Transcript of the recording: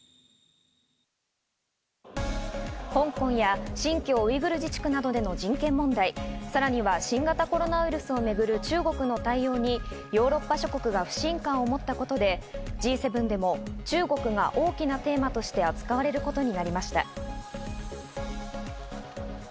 香港や新疆ウイグル自治区などでの人権問題、さらには新型コロナウイルスをめぐる中国の対応にヨーロッパ諸国が不信感を持ったことでＧ７でも中国が大きなテーマとして扱われることになりました。